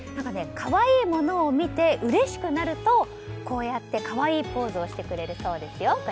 可愛いものを見てうれしくなるとこうやって可愛いポーズをしてくれるそうですよ。